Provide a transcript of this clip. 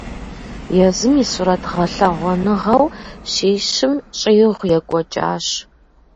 Езым и сурэт гъэлъэгъуэныгъэу щищым щӀигъу екӀуэкӀащ.